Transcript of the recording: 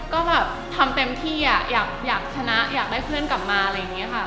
ก็แบบทำเต็มที่อยากชนะอยากได้เพื่อนกลับมาอะไรอย่างนี้ค่ะ